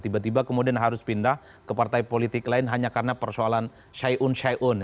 tiba tiba kemudian harus pindah ke partai politik lain hanya karena persoalan syaiun syaiun